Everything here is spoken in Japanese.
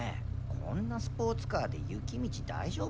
こんなスポーツカーで雪道大丈夫？